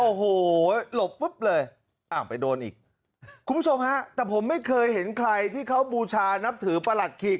โอ้โหหลบปุ๊บเลยอ้าวไปโดนอีกคุณผู้ชมฮะแต่ผมไม่เคยเห็นใครที่เขาบูชานับถือประหลัดขีก